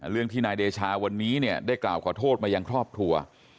เรื่องที่นายเดชาวันนี้เนี่ยได้กล่าวขอโทษมายังครอบครัว